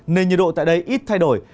nền nhiệt độ tại đây ít thay đổi